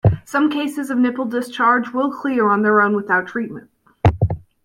Some cases of nipple discharge will clear on their own without treatment.